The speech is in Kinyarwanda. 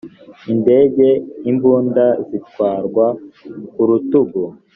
indege imbunda zitwarwa ku rutugu